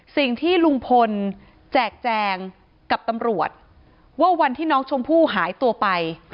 สิ่งที่ลุงพลแจกแจงกับตำรวจว่าวันที่น้องชมพู่หายตัวไป